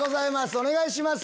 お願いします。